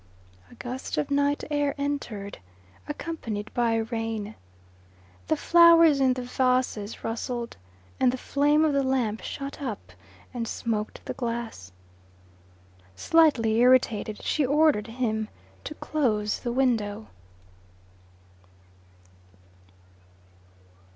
A gust of night air entered, accompanied by rain. The flowers in the vases rustled, and the flame of the lamp shot up and smoked the glass. Slightly irritated, she ordered him to close the window.